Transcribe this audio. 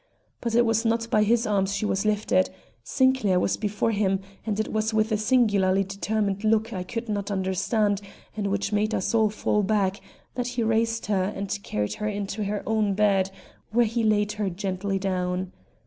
But it was not by his arms she was lifted. Sinclair was before him, and it was with a singularly determined look I could not understand and which made us all fall back, that he raised her and carried her in to her own bed, where he laid her gently down.